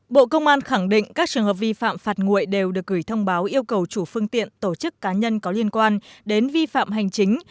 bộ công an khẳng định các trường hợp vi phạm phạt nguội đều được gửi thông báo yêu cầu chủ phương tiện tổ chức cá nhân có liên quan đến vi phạm hành chính